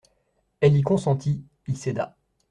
Elle y consentit, y céda.